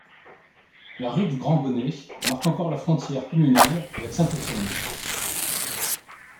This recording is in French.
La rue du Grand-Gonnet marque encore la frontière communale avec Saint-Étienne.